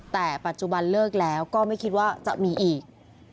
แต่ปัจจุบันเลิกแล้วก็ไม่คิดว่าจะมีอีก